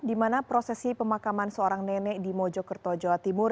di mana prosesi pemakaman seorang nenek di mojokerto jawa timur